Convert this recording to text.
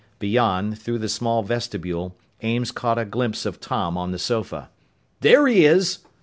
Beyond, through the small vestibule, Ames caught a glimpse of Tom on the sofa. "There he is!"